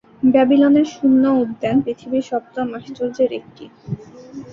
ব্যাবিলনের শূন্য উদ্যান পৃথিবীর সপ্তম আশ্চর্যের একটি।